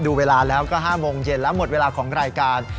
ดูเวลาแล้วก็๕โมงเย็นแล้วหมดเวลาของรายการ